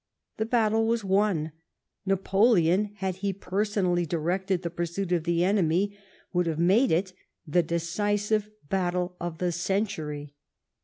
The battle was won. Napoleon, had he personally directed the pursuit of the enemy, would have made it the decisive battle of the century.